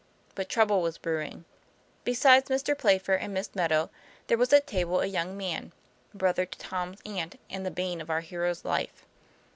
But trouble was brewing. Besides Mr. Playfair and Miss Meadow, there was at table a young man, brother to Tom's aunt, and the bane of our hero's life.